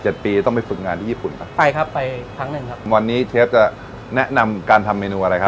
ปีต้องไปฝึกงานที่ญี่ปุ่นครับไปครับไปครั้งหนึ่งครับวันนี้เชฟจะแนะนำการทำเมนูอะไรครับ